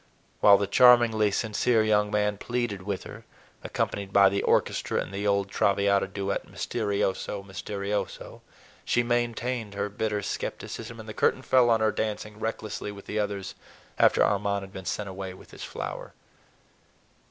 While the charmingly sincere young man pleaded with her—accompanied by the orchestra in the old "Traviata" duet, "misterioso, misterioso!"—she maintained her bitter skepticism, and the curtain fell on her dancing recklessly with the others, after Armand had been sent away with his flower.